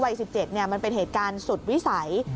วัย๑๗มันเป็นเหตุการณ์สุดวิสัย